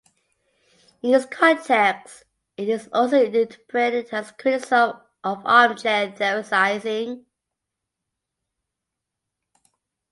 In this context it is also interpreted as criticism of armchair theorizing.